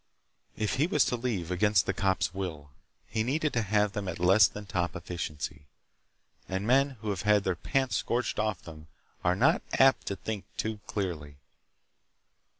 If he was to leave against the cops' will, he needed to have them at less than top efficiency. And men who have had their pants scorched off them are not apt to think too clearly.